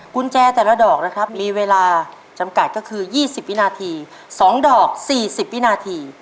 กุญแจแต่ละดอกนะครับมีเวลาจำกัดก็คือ๒๐วินาที๒ดอก๔๐วินาที